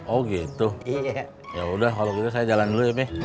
oh gitu iya yaudah kalau gitu saya jalan dulu ya peh